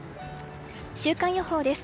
週間予報です。